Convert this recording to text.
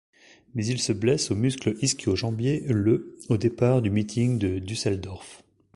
Mais il se blesse au muscle ischio-jambier le au départ du meeting de Düsseldorf.